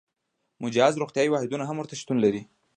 مجهز روغتیايي واحدونه هم ورته شتون لري.